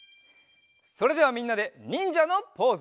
それではみんなでにんじゃのポーズ。